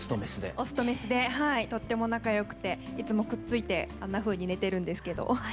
オスとメスでとっても仲良くていつもくっついてあんなふうに寝てるんですけど。